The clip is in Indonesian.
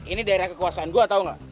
ini daerah kekuasaan gue tau gak